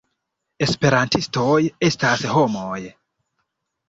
Esperantistoj estas homoj.